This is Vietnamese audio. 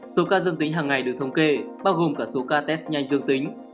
số ca dương tính hàng ngày được thống kê bao gồm cả số ca test nhanh dương tính